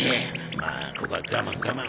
まあここは我慢我慢